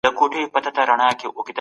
دنمارک هم په دې لیست کي شامل و.